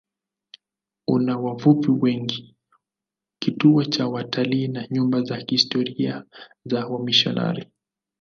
Una wavuvi wengi, kituo cha watalii na nyumba za kihistoria za wamisionari.